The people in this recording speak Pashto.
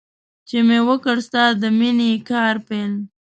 چې مې وکړ ستا د مینې کار پیل.